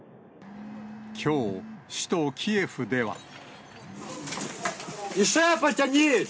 きょう、首都キエフでは。